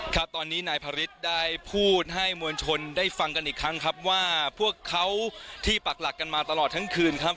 ครับตอนนี้นายพระฤทธิ์ได้พูดให้มวลชนได้ฟังกันอีกครั้งครับว่าพวกเขาที่ปักหลักกันมาตลอดทั้งคืนครับ